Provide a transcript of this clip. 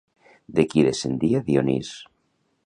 De qui descendia Dionís?